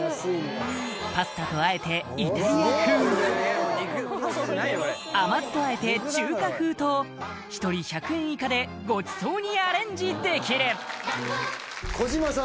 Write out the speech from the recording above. パスタとあえてイタリア風甘酢とあえて中華風と１人１００円以下でごちそうにアレンジできる児嶋さん